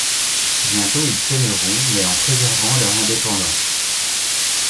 Bientôt, ils s'aimeront mais en préservant leur indépendance.